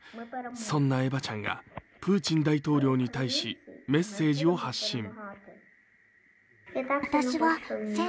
そんなエバちゃんがプーチン大統領に対し、メッセージを発信。